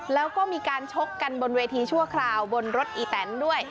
แล้วก็มีการชกกันบนเวทีชั่วคราวบนรถอีแตนด้วย